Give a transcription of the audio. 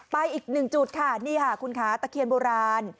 อีกหนึ่งจุดค่ะนี่ค่ะคุณคะตะเคียนโบราณ